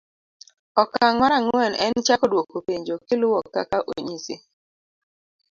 oka'ng mar ang'wen en chako dwoko penjo kiluo kaka onyisi.